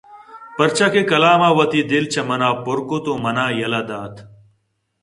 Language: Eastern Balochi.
پرچا کہ کلام ءَوتی دل چہ من پرکُت ءُمن ءَیل دات